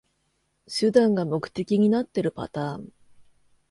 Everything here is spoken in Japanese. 手段が目的になってるパターン